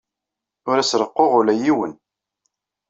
Ur as-reqquɣ ula i yiwen.